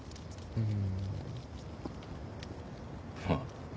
うん。